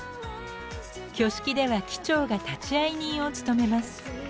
挙式では機長が立会人を務めます。